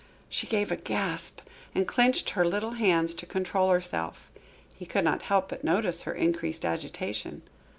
She gave a gasp and clenched her little hands to control herself. He could not help but notice her increased agitation.